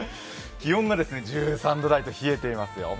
気温が１３度台と冷えていますよ。